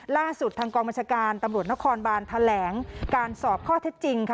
ล่าสุดทางกองบัญชาการตำรวจนครบานแถลงการสอบข้อเท็จจริงค่ะ